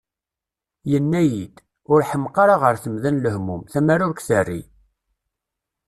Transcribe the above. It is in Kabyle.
Yenna-iyi-d: « Ur ḥemmeq ara ɣer temda n lehmum, tamara ur k-terri!"